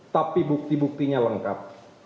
tapi bukti buktinya lengkap